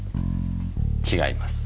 違います。